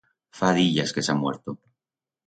Fa diyas que s'ha muerto.